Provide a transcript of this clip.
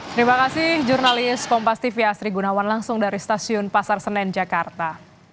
terima kasih jurnalis kompas tv asri gunawan langsung dari stasiun pasar senen jakarta